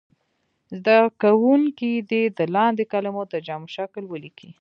زده کوونکي دې د لاندې کلمو د جمع شکل ولیکي.